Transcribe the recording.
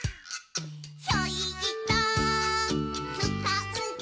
「ひょいっとつかんで」